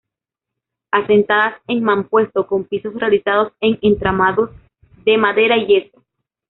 Asentadas en mampuesto con pisos realizados en entramados de madera y yeso.